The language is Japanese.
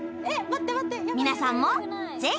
皆さんもぜひ